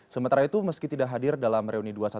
sementara itu meski tidak hadir dalam reuni dua ratus dua